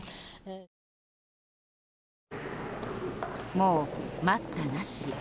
もう待ったなし。